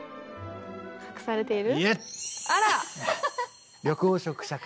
隠されている。